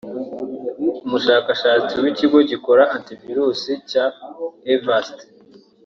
umushakashatsi w’ikigo gikora Antivirus cya Avast